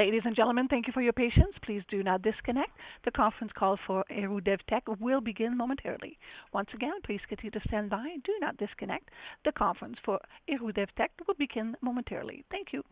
Ladies and gentlemen, thank you for your patience. Please do not disconnect. The conference call for Héroux-Devtek will begin momentarily. Once again, please continue to stand by and do not disconnect. The conference for Héroux-Devtek will begin momentarily. Thank you.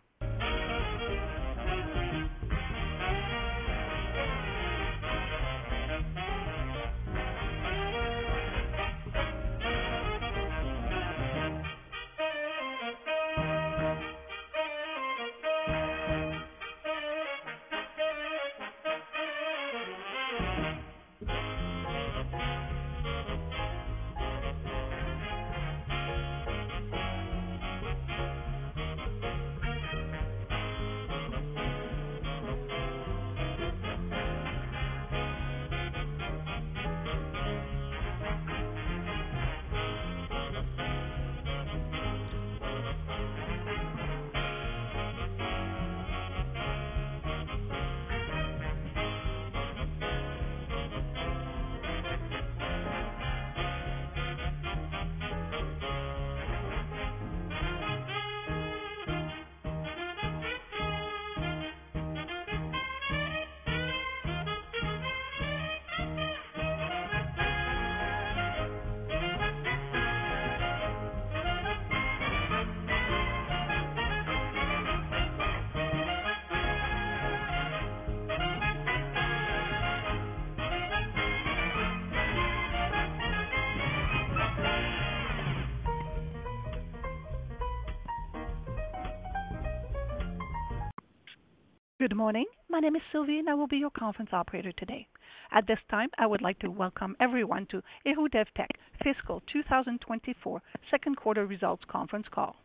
Good morning. My name is Sylvie, and I will be your conference operator today. At this time, I would like to welcome everyone to Héroux-Devtek Fiscal 2024 Second Quarter Results Conference Call.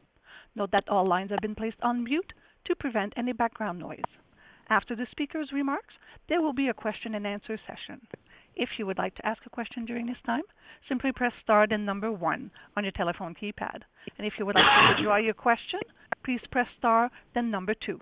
Note that all lines have been placed on mute to prevent any background noise. After the speaker's remarks, there will be a question and answer session. If you would like to ask a question during this time, simply press star, then number one on your telephone keypad, and if you would like to withdraw your question, please press star then number two.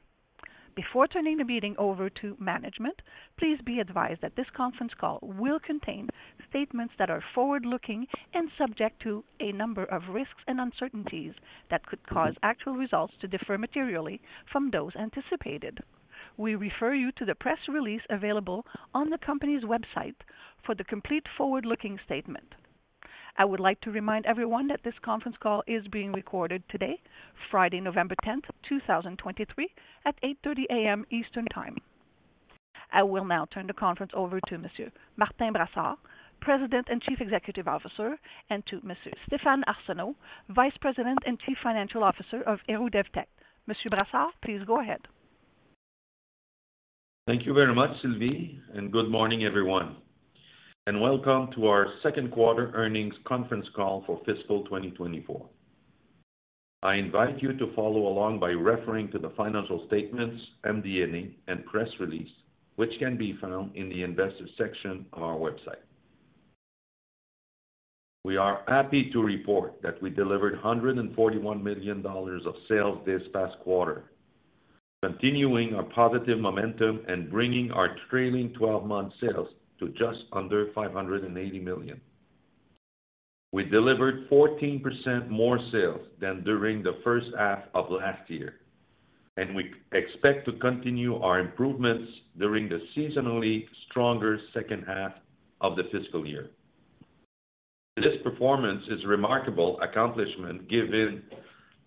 Before turning the meeting over to management, please be advised that this conference call will contain statements that are forward-looking and subject to a number of risks and uncertainties that could cause actual results to differ materially from those anticipated. We refer you to the press release available on the company's website for the complete forward-looking statement. I would like to remind everyone that this conference call is being recorded today, Friday, November tenth, two thousand and twenty-three at 8:00 A.M. Eastern Time. I will now turn the conference over to Monsieur Martin Brassard, President and Chief Executive Officer, and to Monsieur Stéphane Arsenault, Vice President and Chief Financial Officer of Héroux-Devtek. Monsieur Brassard, please go ahead. Thank you very much, Sylvie, and good morning, everyone, and welcome to our second quarter earnings conference call for fiscal 2024. I invite you to follow along by referring to the financial statements, MD&A, and press release, which can be found in the investors section on our website. We are happy to report that we delivered 141 million dollars of sales this past quarter, continuing our positive momentum and bringing our trailing twelve-month sales to just under 580 million. We delivered 14% more sales than during the first half of last year, and we expect to continue our improvements during the seasonally stronger second half of the fiscal year. This performance is a remarkable accomplishment given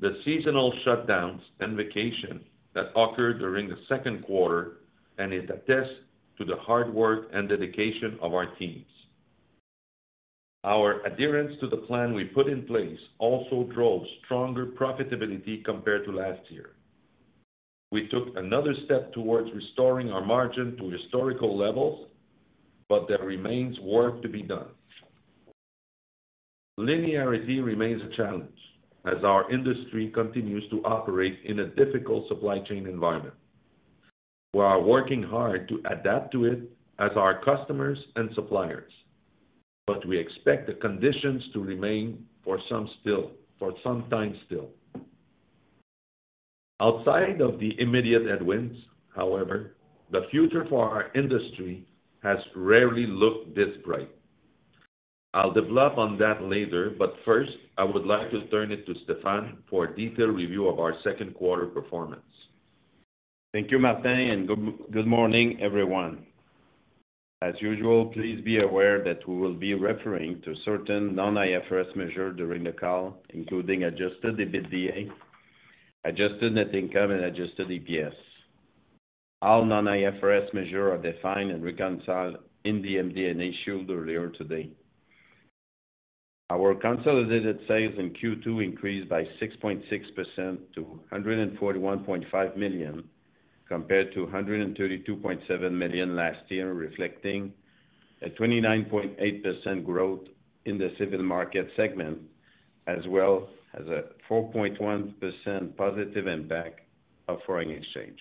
the seasonal shutdowns and vacation that occurred during the second quarter, and it attests to the hard work and dedication of our teams. Our adherence to the plan we put in place also drove stronger profitability compared to last year. We took another step towards restoring our margin to historical levels, but there remains work to be done. Linearity remains a challenge as our industry continues to operate in a difficult supply chain environment. We are working hard to adapt to it as our customers and suppliers, but we expect the conditions to remain for some time still. Outside of the immediate headwinds, however, the future for our industry has rarely looked this bright. I'll develop on that later, but first, I would like to turn it to Stéphane for a detailed review of our second quarter performance. Thank you, Martin, and good, good morning, everyone. As usual, please be aware that we will be referring to certain non-IFRS measures during the call, including adjusted EBITDA, adjusted net income, and adjusted EPS. All non-IFRS measures are defined and reconciled in the MD&A issued earlier today. Our consolidated sales in Q2 increased by 6.6% to 141.5 million, compared to 132.7 million last year, reflecting a 29.8% growth in the civil market segment, as well as a 4.1% positive impact of foreign exchange.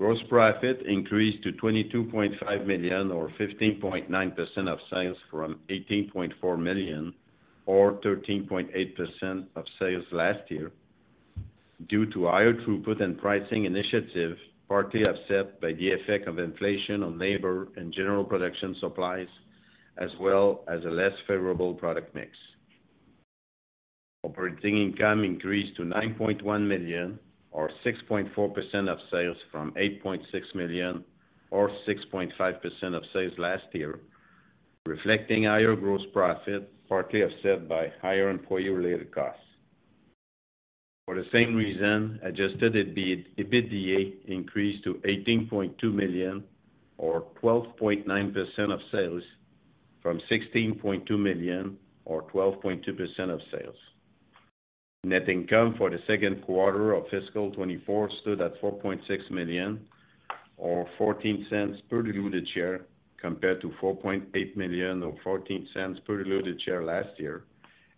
Gross profit increased to 22.5 million or 15.9% of sales, from 18.4 million or 13.8% of sales last year, due to higher throughput and pricing initiatives, partly offset by the effect of inflation on labor and general production supplies, as well as a less favorable product mix. Operating income increased to 9.1 million, or 6.4% of sales from 8.6 million, or 6.5% of sales last year, reflecting higher gross profit, partly offset by higher employee-related costs. For the same reason, adjusted EBIT, EBITDA increased to 18.2 million, or 12.9% of sales, from 16.2 million, or 12.2% of sales. Net income for the second quarter of fiscal 2024 stood at 4.6 million, or 0.14 per diluted share, compared to 4.8 million, or 0.14 per diluted share last year,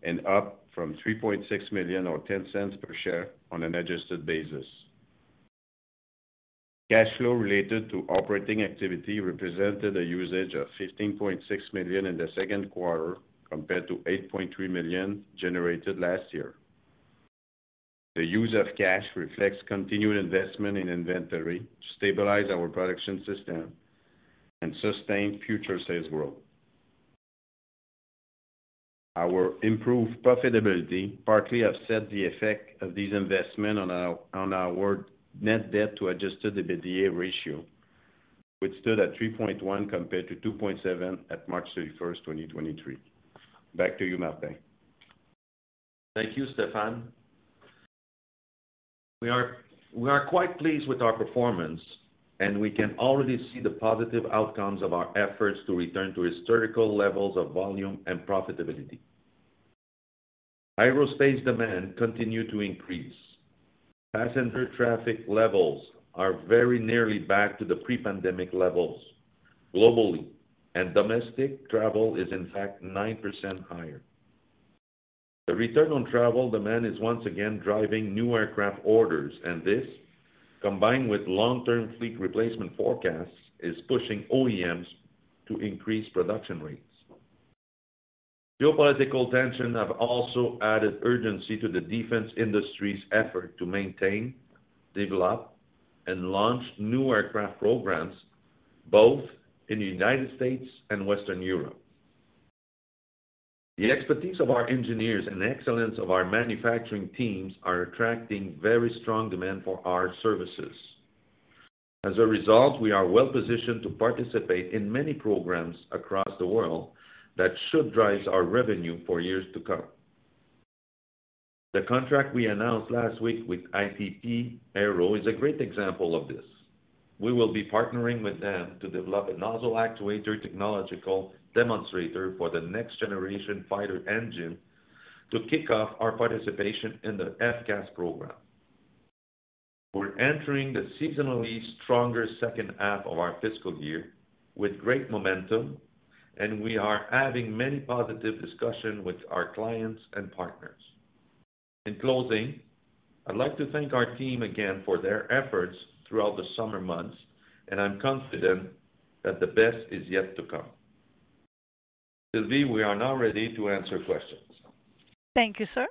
and up from 3.6 million or 0.10 per share on an adjusted basis. Cash flow related to operating activity represented a usage of 15.6 million in the second quarter, compared to 8.3 million generated last year. The use of cash reflects continued investment in inventory to stabilize our production system and sustain future sales growth. Our improved profitability partly offset the effect of these investments on our net debt to adjusted EBITDA ratio, which stood at 3.1 compared to 2.7 at March 31st, 2023. Back to you, Martin. Thank you, Stéphane. We are, we are quite pleased with our performance, and we can already see the positive outcomes of our efforts to return to historical levels of volume and profitability. Aerospace demand continued to increase. Passenger traffic levels are very nearly back to the pre-pandemic levels globally, and domestic travel is in fact 9% higher. The return on travel demand is once again driving new aircraft orders, and this, combined with long-term fleet replacement forecasts, is pushing OEMs to increase production rates. Geopolitical tension have also added urgency to the defense industry's effort to maintain, develop, and launch new aircraft programs, both in the United States and Western Europe. The expertise of our engineers and excellence of our manufacturing teams are attracting very strong demand for our services. As a result, we are well-positioned to participate in many programs across the world that should drive our revenue for years to come. The contract we announced last week with ITP Aero is a great example of this. We will be partnering with them to develop a nozzle actuator technological demonstrator for the next generation fighter engine to kick off our participation in the FCAS program. We're entering the seasonally stronger second half of our fiscal year with great momentum, and we are having many positive discussions with our clients and partners. In closing, I'd like to thank our team again for their efforts throughout the summer months, and I'm confident that the best is yet to come. Sylvie, we are now ready to answer questions. Thank you, sir.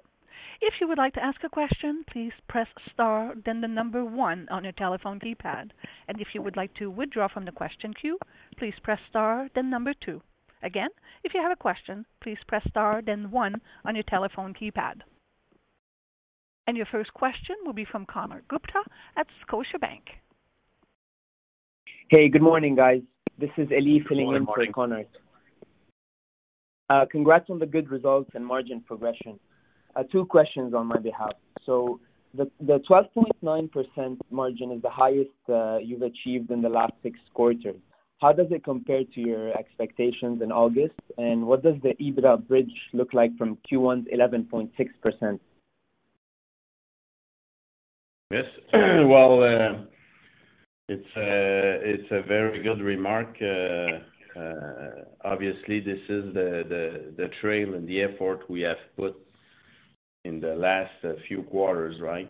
If you would like to ask a question, please press star, then the number one on your telephone keypad. If you would like to withdraw from the question queue, please press star, then number two. Again, if you have a question, please press star, then one on your telephone keypad. Your first question will be from Konark Gupta at Scotiabank. Hey, good morning, guys. This is Ali filling in Good morning. for Konark. Congrats on the good results and margin progression. Two questions on my behalf. So the 12.9% margin is the highest you've achieved in the last six quarters. How does it compare to your expectations in August, and what does the EBITDA bridge look like from Q1's 11.6%? Yes. Well, it's a very good remark. Obviously, this is the trail and the effort we have put in the last few quarters, right?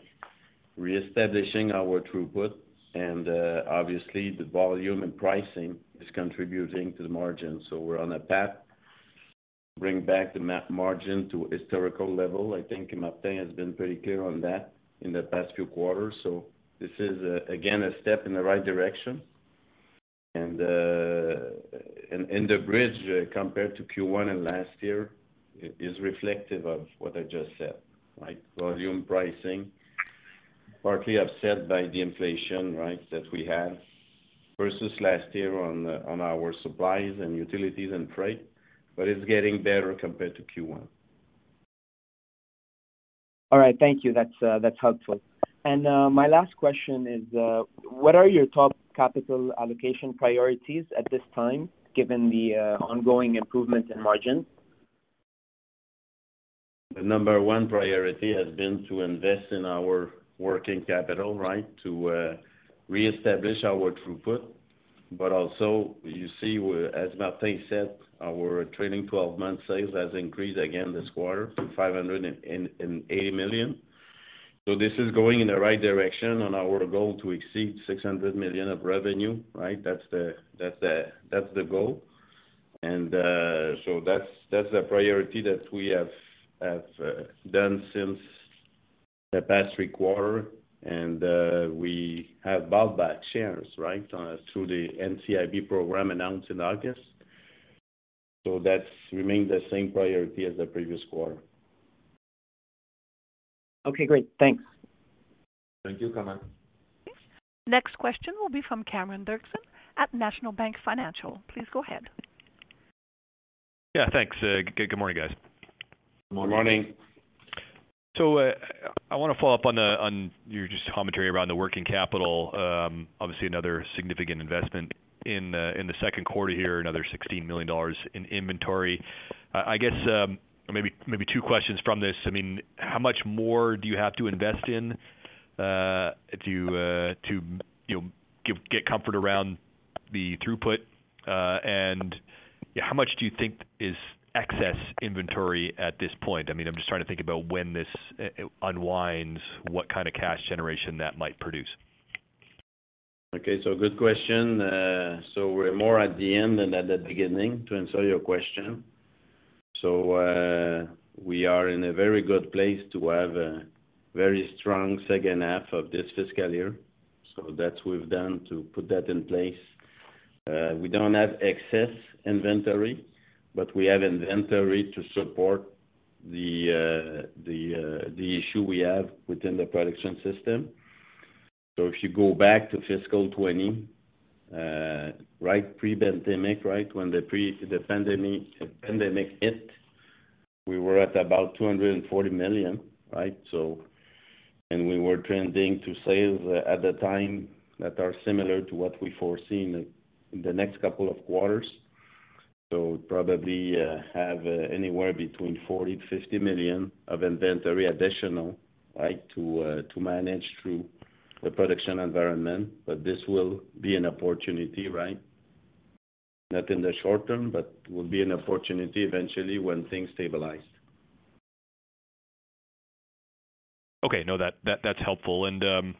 Reestablishing our throughput and, obviously, the volume and pricing is contributing to the margin. So we're on a path to bring back the margin to historical level. I think Martin has been pretty clear on that in the past few quarters. So this is, again, a step in the right direction. And the bridge, compared to Q1 and last year, is reflective of what I just said, right? Volume pricing, partly offset by the inflation, right, that we had versus last year on our supplies and utilities and freight, but it's getting better compared to Q1. All right. Thank you. That's, that's helpful. And, my last question is, what are your top capital allocation priorities at this time, given the, ongoing improvement in margins? The number one priority has been to invest in our working capital, right? To reestablish our throughput. But also, you see, as Martin said, our trailing twelve-month sales has increased again this quarter to 580 million. So this is going in the right direction on our goal to exceed 600 million of revenue, right? That's the goal. And so that's the priority that we have done the past three quarter, and we have bought back shares, right? Through the NCIB program announced in August. So that's remained the same priority as the previous quarter. Okay, great. Thanks. Thank you, Konark. Next question will be from Cameron Doerksen at National Bank Financial. Please go ahead. Yeah, thanks. Good morning, guys. Good morning. Morning. So, I wanna follow up on the, on your just commentary around the working capital. Obviously another significant investment in the second quarter here, another 16 million dollars in inventory. I guess, maybe two questions from this. I mean, how much more do you have to invest in to, you know, get comfort around the throughput? And, yeah, how much do you think is excess inventory at this point? I mean, I'm just trying to think about when this unwinds, what kind of cash generation that might produce. Okay, so good question. So we're more at the end than at the beginning, to answer your question. So, we are in a very good place to have a very strong second half of this fiscal year. So that we've done to put that in place. We don't have excess inventory, but we have inventory to support the issue we have within the production system. So if you go back to fiscal 2020, right, pre-pandemic, right? When the pandemic hit, we were at about 240 million, right? So, and we were trending to sales at the time that are similar to what we foreseen in the next couple of quarters. So probably have anywhere between 40 million-50 million of inventory additional, right, to manage through the production environment, but this will be an opportunity, right? Not in the short term, but will be an opportunity eventually when things stabilize. Okay. No, that's helpful. And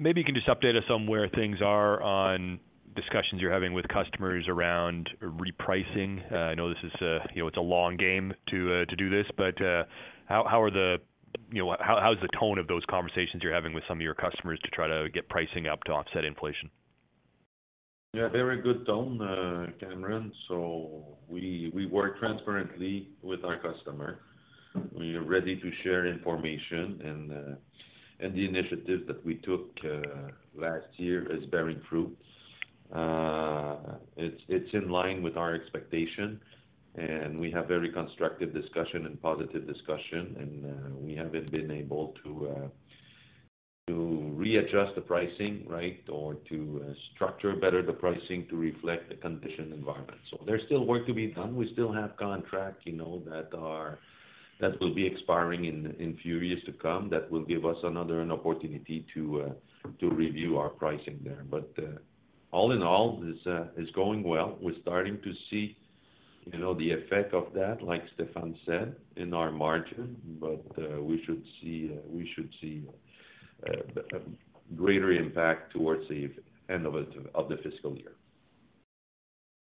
maybe you can just update us on where things are on discussions you're having with customers around repricing. I know this is a, you know, it's a long game to do this, but how is the, you know, tone of those conversations you're having with some of your customers to try to get pricing up to offset inflation? Yeah, very good tone, Cameron. So we work transparently with our customer. We are ready to share information and the initiative that we took last year is bearing fruit. It's in line with our expectation, and we have very constructive discussion and positive discussion, and we have been able to readjust the pricing, right, or to structure better the pricing to reflect the condition environment. So there's still work to be done. We still have contract, you know, that are that will be expiring in few years to come. That will give us another opportunity to review our pricing there. But all in all, it's going well. We're starting to see, you know, the effect of that, like Stéphane said, in our margin, but we should see, we should see a greater impact towards the end of it, of the fiscal year.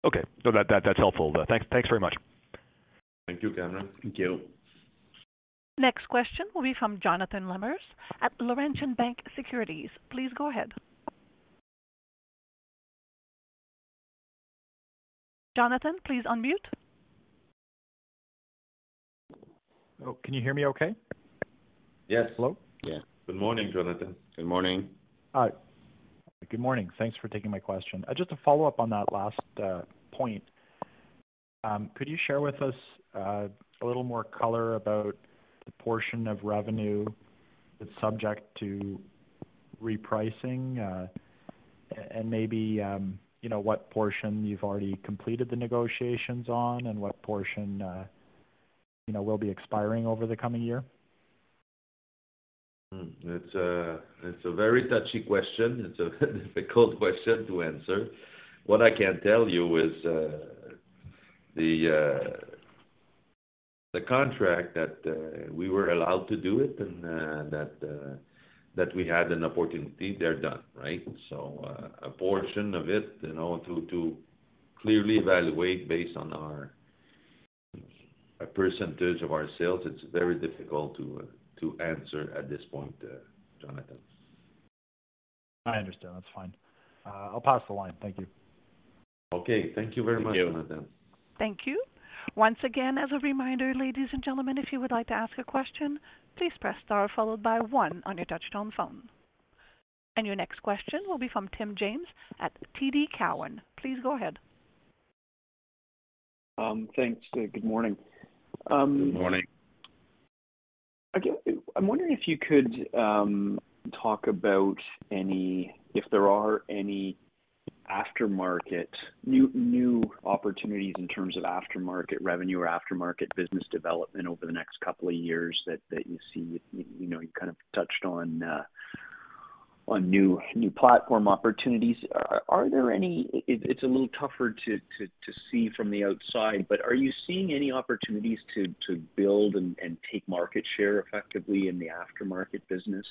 Okay. No, that, that's helpful. Thanks, thanks very much. Thank you, Cameron. Thank you. Next question will be from Jonathan Lamers at Laurentian Bank Securities. Please go ahead. Jonathan, please unmute. Oh, can you hear me okay? Yes. Hello? Yeah. Good morning, Jonathan. Good morning. Hi. Good morning. Thanks for taking my question. Just to follow up on that last point, could you share with us a little more colour about the portion of revenue that's subject to repricing? And maybe, you know, what portion you've already completed the negotiations on, and what portion, you know, will be expiring over the coming year? Hmm. It's a very touchy question. It's a difficult question to answer. What I can tell you is, the contract that we were allowed to do it and that we had an opportunity there done, right? So, a portion of it, you know, to clearly evaluate based on our, a percentage of our sales, it's very difficult to answer at this point, Jonathan. I understand. That's fine. I'll pass the line. Thank you. Okay. Thank you very much, Jonathan. Thank you. Once again, as a reminder, ladies and gentlemen, if you would like to ask a question, please press star followed by one on your touchtone phone. Your next question will be from Tim James at TD Cowen. Please go ahead. Thanks. Good morning. Good morning. I'm wondering if you could talk about any, if there are any aftermarket new opportunities in terms of aftermarket revenue or aftermarket business development over the next couple of years that you see. You know, you kind of touched on on new platform opportunities. Are there any It's a little tougher to see from the outside, but are you seeing any opportunities to build and take market share effectively in the aftermarket business?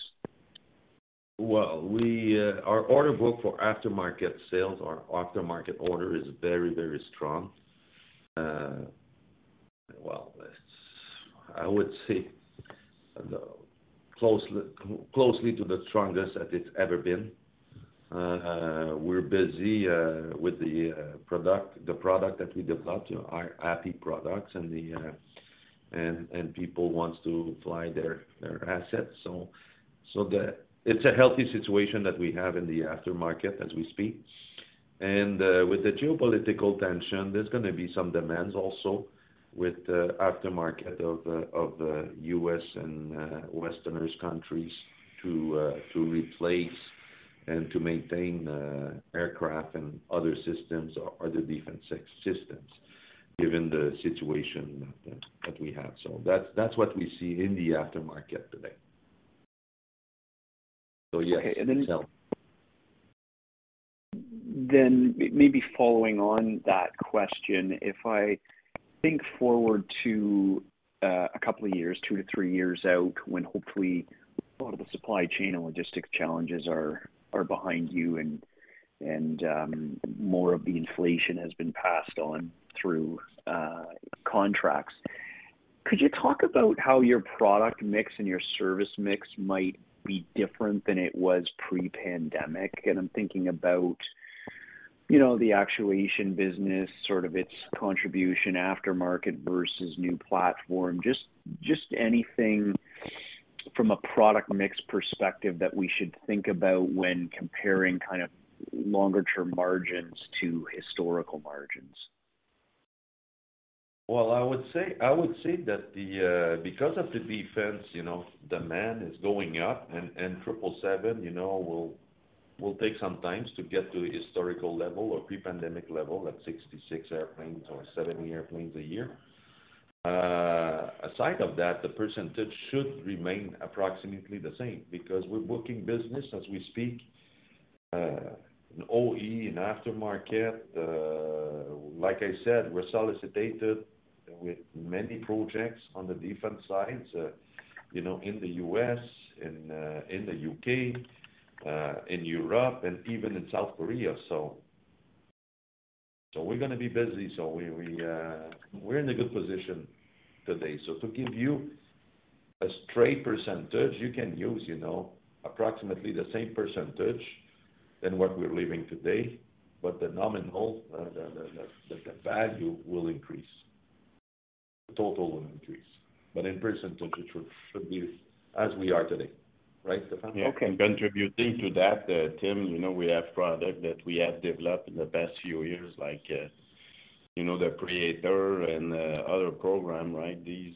Well, we, our order book for aftermarket sales, our aftermarket order is very, very strong. Well, it's I would say, closely to the strongest that it's ever been. We're busy with the product, the product that we developed, you know, our IP products and people wants to fly their assets. So, it's a healthy situation that we have in the aftermarket as we speak. And with the geopolitical tension, there's gonna be some demands also with the aftermarket of U.S. and Western countries to replace and to maintain aircraft and other systems or other defense systems, given the situation that we have. So that's what we see in the aftermarket today. So, yes. Okay, and then maybe following on that question, if I think forward to a couple of years, two to three years out, when hopefully a lot of the supply chain and logistics challenges are behind you and more of the inflation has been passed on through contracts. Could you talk about how your product mix and your service mix might be different than it was pre-pandemic? And I'm thinking about, you know, the actuation business, sort of its contribution aftermarket versus new platform. Just anything from a product mix perspective that we should think about when comparing kind of longer term margins to historical margins. Well, I would say that the, because of the defense, you know, demand is going up and 777, you know, will take some time to get to a historical level or pre-pandemic level at 66 airplanes or 70 airplanes a year. Aside of that, the percentage should remain approximately the same because we're booking business as we speak, in OE and aftermarket. Like I said, we're solicited with many projects on the defense side, you know, in the U.S., in the U.K., in Europe and even in South Korea. So, we're gonna be busy. So we, we're in a good position today. So to give you a straight percentage, you can use, you know, approximately the same percentage than what we're leaving today, but the nominal value will increase. Total will increase, but in percentage, it should be as we are today. Right, Stéphane? Yeah. Contributing to that, Tim, you know, we have product that we have developed in the past few years, like, you know, the Praetor and other program, right? These,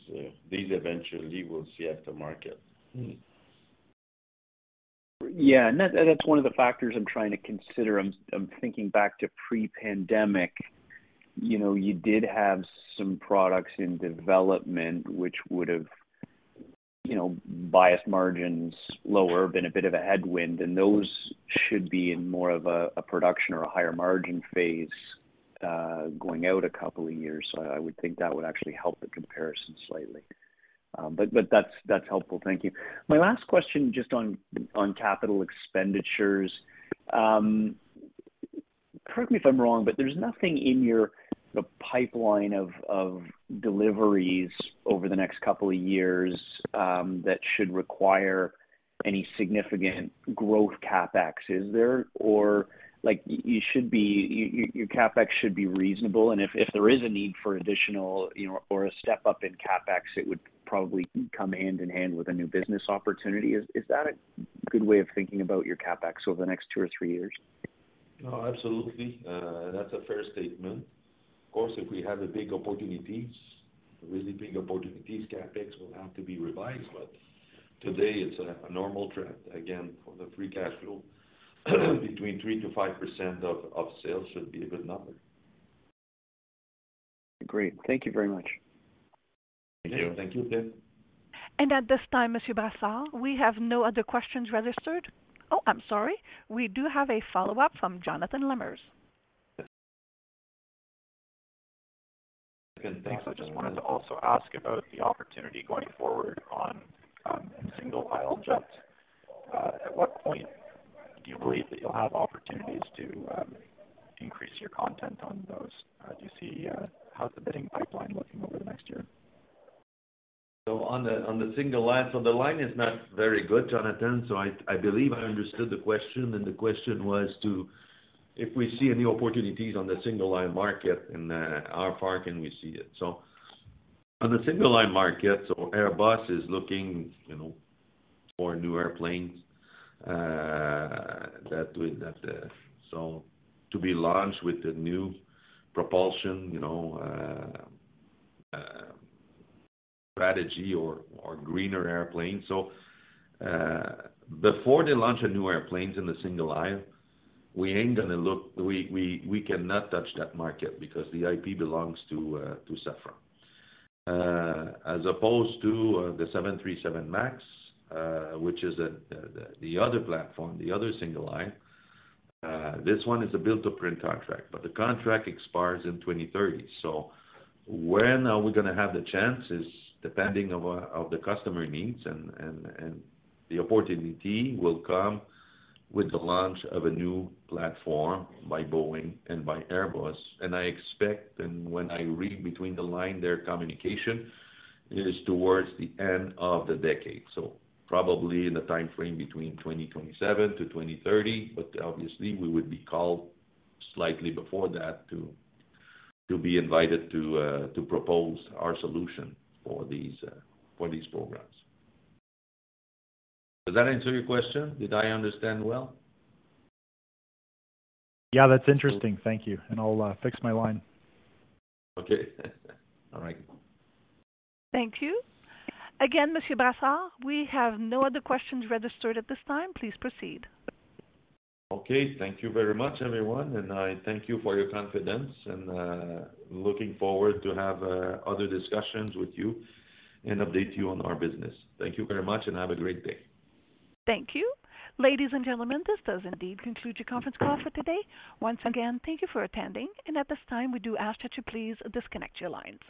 these eventually will see aftermarket. Yeah. And that's one of the factors I'm trying to consider. I'm thinking back to pre-pandemic. You know, you did have some products in development which would have, you know, biased margins lower than a bit of a headwind, and those should be in more of a production or a higher margin phase, going out a couple of years. So I would think that would actually help the comparison slightly. But that's helpful. Thank you. My last question, just on capital expenditures. Correct me if I'm wrong, but there's nothing in your pipeline of deliveries over the next couple of years that should require any significant growth CapEx, is there? Or like, you should be... Your CapEx should be reasonable, and if there is a need for additional, you know, or a step up in CapEx, it would probably come hand in hand with a new business opportunity. Is that a good way of thinking about your CapEx over the next two or three years? Oh, absolutely. That's a fair statement. Of course, if we have a big opportunities, really big opportunities, CapEx will have to be revised, but today it's a normal trend. Again, for the free cash flow, between 3%-5% of sales should be a good number. Great. Thank you very much. Thank you. Thank you, Tim. At this time, Monsieur Brassard, we have no other questions registered. Oh, I'm sorry. We do have a follow-up from Jonathan Lamers. Good. Thanks. I just wanted to also ask about the opportunity going forward on single-aisle jet. At what point do you believe that you'll have opportunities to increase your content on those? Do you see how's the bidding pipeline looking over the next year? So on the single-aisle, so the linearity is not very good, Jonathan, so I believe I understood the question, and the question was to If we see any opportunities on the single-aisle market and how far can we see it? So on the single-aisle market, so Airbus is looking, you know, for new airplanes that to be launched with the new propulsion, you know, strategy or greener airplanes. So, before they launch new airplanes in the single-aisle, we ain't gonna look. We cannot touch that market because the IP belongs to Safran. As opposed to the 737 MAX, which is the other platform, the other single-aisle. This one is a build-to-print contract, but the contract expires in 2030. So when are we gonna have the chances? Depending on the customer needs and the opportunity will come with the launch of a new platform by Boeing and by Airbus. And I expect, and when I read between the lines, their communication is towards the end of the decade, so probably in the timeframe between 2027-2030, but obviously we would be called slightly before that to be invited to propose our solution for these programs. Does that answer your question? Did I understand well? Yeah, that's interesting. Thank you. I'll fix my line. Okay. All right. Thank you. Again, Monsieur Brassard, we have no other questions registered at this time. Please proceed. Okay. Thank you very much, everyone, and I thank you for your confidence and, looking forward to have, other discussions with you and update you on our business. Thank you very much and have a great day. Thank you. Ladies and gentlemen, this does indeed conclude your conference call for today. Once again, thank you for attending, and at this time, we do ask that you please disconnect your lines.